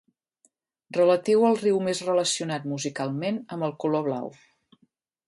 Relatiu al riu més relacionat musicalment amb el color blau.